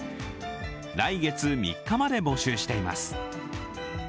来月３日まで募集しています。